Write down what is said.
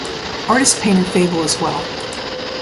Artists paint in fable as well.